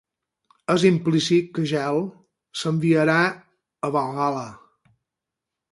És implícit que Gel s'enviarà a Valhalla.